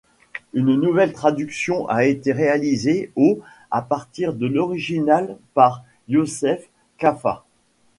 Une nouvelle traduction a été réalisée au à partir de l'original par Yosseph Qaffah.